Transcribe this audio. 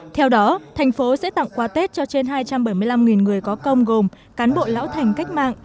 theo đó thành phố sẽ tặng quà tết cho trên hai trăm bảy mươi năm người có công gồm cán bộ lão thành cách mạng